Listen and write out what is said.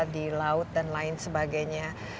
di laut dan lain sebagainya